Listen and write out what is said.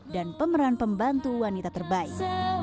pemeran pembantu wanita terbaik